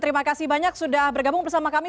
terima kasih banyak sudah bergabung bersama kami